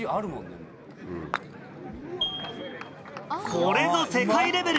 これぞ世界レベル！